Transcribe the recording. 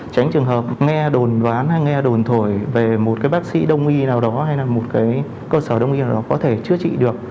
tránh trường hợp nghe đồn ván hay nghe đồn thổi về một bác sĩ đông y nào đó hay một cơ sở đông y nào đó có thể chữa trị được